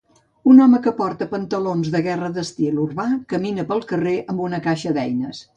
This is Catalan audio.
Un home que porta pantalons de guerra d'estil urbà camina pel carrer amb una caixa d'eines.